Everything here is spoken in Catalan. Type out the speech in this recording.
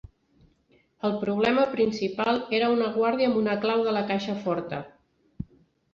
El problema principal era un guàrdia amb una clau de la caixa forta.